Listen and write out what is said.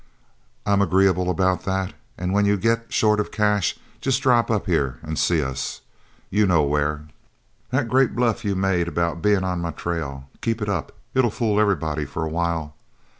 I'm agreeable about that, and when you get short of cash just drop up and see us you know where. "'That's a great bluff you've made about being on my trail. Keep it up. It'll fool everybody for a while.